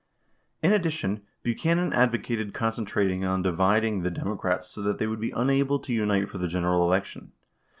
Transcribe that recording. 95 In addition, Buchanan advocated concentrating on dividing the Democrats so that they would be unable to unite for the general elec tion.